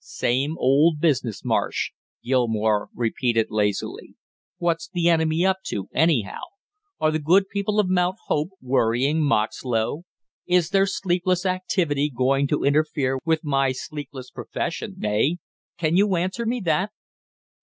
"Same old business, Marsh!" Gilmore repeated lazily. "What's the enemy up to, anyhow? Are the good people of Mount Hope worrying Moxlow? Is their sleepless activity going to interfere with my sleepless profession, eh? Can you answer me that?"